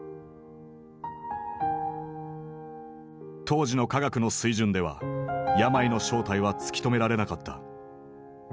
当時の科学の水準では病の正体は突き止められなかった。